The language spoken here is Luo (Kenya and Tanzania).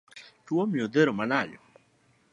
Tuo omiyo odhero manade?